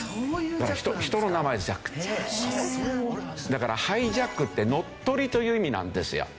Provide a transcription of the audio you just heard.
だからハイジャックって「乗っ取り」という意味なんですよ。